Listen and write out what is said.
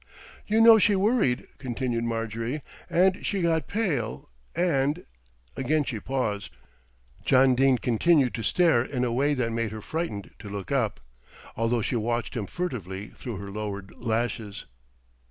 "You know she worried," continued Marjorie, "and she got pale and " Again she paused. John Dene continued to stare in a way that made her frightened to look up, although she watched him furtively through her lowered lashes.